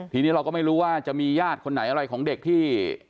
ทีนี้เราก็ไม่รู้ว่าจะมีญาติคนไหนอะไรของเด็กที่